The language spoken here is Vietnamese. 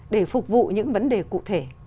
để phục vụ những vấn đề cụ thể